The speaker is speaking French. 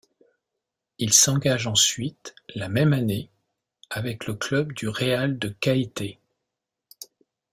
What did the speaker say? Il s'engage ensuite, la même année, avec le club du Real de Caeté.